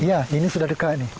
iya ini sudah dekat